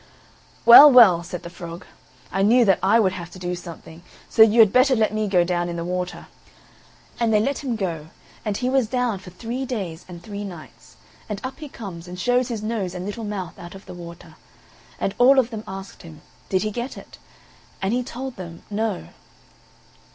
"Well, well," said the frog, "I knew that I would have to do something, so you had better let me go down in the water." And they let him go, and he was down for three days and three nights; and up he comes, and shows his nose and little mouth out of the water; and all of them asked him, Did he get it? and he told them, No.